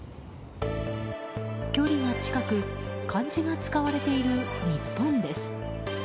距離が近く漢字が使われている日本です。